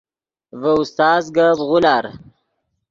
ڤے استاز گپ غولار